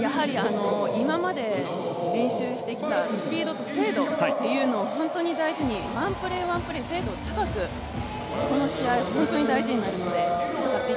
今まで練習してきたスピードと精度を本当に大事に、ワンプレー、ワンプレー、精度を高く、この試合、本当に大事になるので。